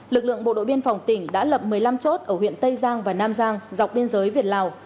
lực lượng bộ đội biên phòng tỉnh đã lập một mươi năm chốt ở huyện tây giang và nam giang dọc biên giới việt lào